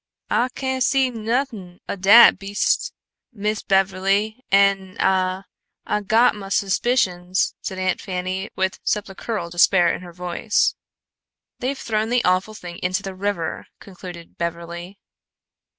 "Ah cain' see nothin' o' dat beastes, Miss Beverly an' Ah Ah got mah suspicions," said Aunt Fanny, with sepulchral despair in her voice. "They've thrown the awful thing into the river," concluded Beverly.